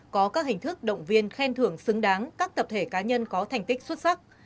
có các hình thức động viên khen thưởng xứng đáng các tập thể cá nhân có thành tích xuất sắc